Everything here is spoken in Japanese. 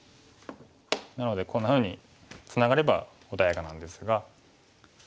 なのでこんなふうにツナがれば穏やかなんですが。